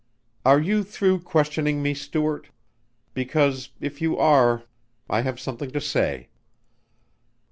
"Are you through questioning me, Stuart? Because if you are ... I have something to say."